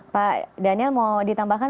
dan daniel mau ditambahkan